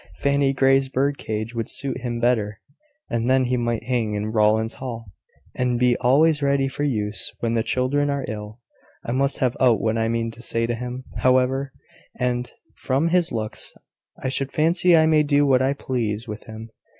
Fanny Grey's bird cage would suit him better; and then he might hang in Rowland's hall, and be always ready for use when the children are ill. I must have out what I mean to say to him, however; and, from his looks, I should fancy I may do what I please with him.